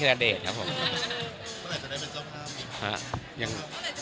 เท่าไหร์จะได้เป็นสภาพ